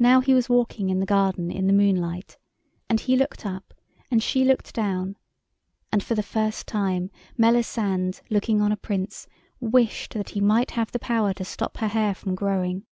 Now he was walking in the garden in the moonlight, and he looked up and she looked down, and for the first time Melisande, looking on a Prince, wished that he might have the power to stop her hair from growing.